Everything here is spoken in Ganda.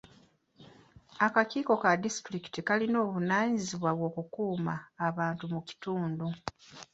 Akakiiko ka disitulikiti kalina obuvunaanyizibwa bw'okukuuma abantu mu kitundu.